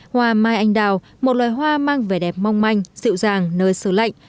hoa mai anh đào một loài hoa mang vẻ đẹp mong manh dịu dàng nơi sửa lạnh